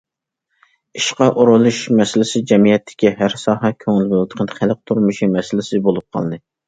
ئىشقا ئورۇنلىشىش مەسىلىسى جەمئىيەتتىكى ھەر ساھە كۆڭۈل بۆلىدىغان خەلق تۇرمۇشى مەسىلىسى بولۇپ قالدى.